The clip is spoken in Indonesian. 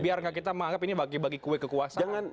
biar kita menganggap ini bagi bagi kue kekuasaan